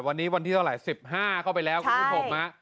วันนี้วันที่เท่าไหร่๑๕เข้าไปแล้วคุณผู้ชม